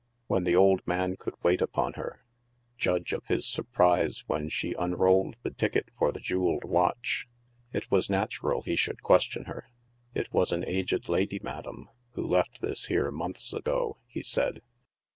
When the old man could wait upon her, judge ef his surprise when she unrolled the ticket for the jeweled watch. It was natural he should question her. " It was an aged lady, madam, who left this here mon hs ago," he said.